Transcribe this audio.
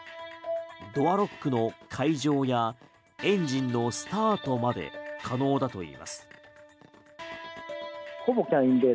ドアロックの解錠やエンジンのスタートまで可能だといいます。